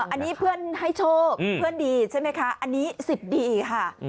อันนี้เพื่อนให้โชคเพื่อนดีใช่ไหมคะอันนี้๑๐ดีค่ะ